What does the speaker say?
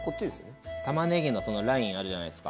タマネギのそのラインあるじゃないですか。